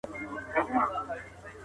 يو سړی په کمپيوټر کي ډيزاين جوړوي.